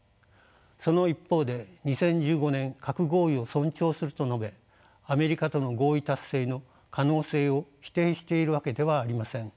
その一方で２０１５年核合意を尊重すると述べアメリカとの合意達成の可能性を否定しているわけではありません。